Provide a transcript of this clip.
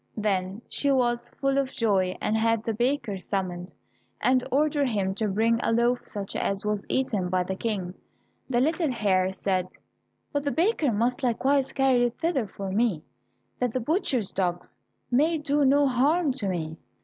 Then she was full of joy and had the baker summoned, and ordered him to bring a loaf such as was eaten by the King. The little hare said, "But the baker must likewise carry it thither for me, that the butchers' dogs may do no harm to me."